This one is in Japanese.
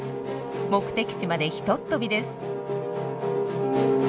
目的地までひとっ飛びです。